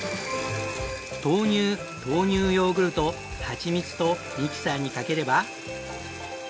豆乳豆乳ヨーグルトはちみつとミキサーにかければ。